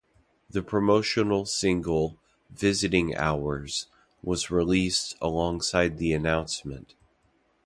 The promotional single "Visiting Hours" was released alongside the announcement.